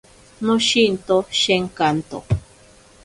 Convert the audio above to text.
Noshinto shenkanto.